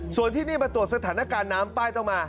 ส่วนที่นี่มาตรวจสถานการณ์น้ำป้ายต้องมา